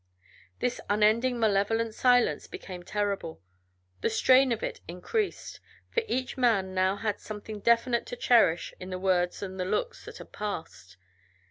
This unending malevolent silence became terrible. The strain of it increased, for each man now had something definite to cherish in the words and the looks that had passed.